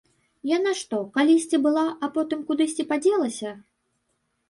Яна што, калісьці была, а потым кудысьці падзелася?